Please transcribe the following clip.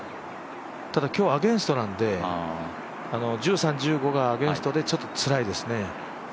ただ今日はアゲンストなんで１３、１５がアゲンストでちょっとつらいですね。